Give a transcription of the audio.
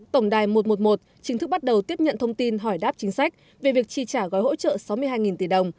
tổng đài một trăm một mươi một chính thức bắt đầu tiếp nhận thông tin hỏi đáp chính sách về việc trì trả gói hỗ trợ sáu mươi hai tỷ đồng